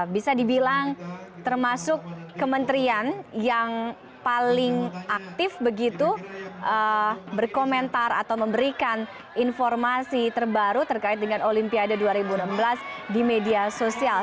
bisa dibilang termasuk kementerian yang paling aktif begitu berkomentar atau memberikan informasi terbaru terkait dengan olimpiade dua ribu enam belas di media sosial